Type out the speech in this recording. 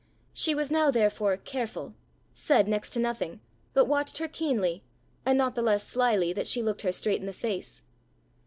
She was now therefore careful said next to nothing, but watched her keenly, and not the less slyly that she looked her straight in the face.